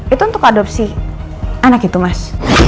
itu untuk adopsi anak itu mas